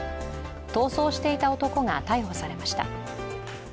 逃走していた男が逮捕されました。